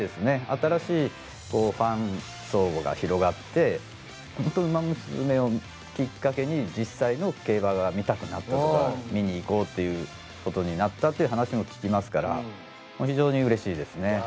新しいこうファン層が広がってほんと「ウマ娘」をきっかけに実際の競馬が見たくなったとか見に行こうっていうことになったって話も聞きますからもう非常にうれしいですね。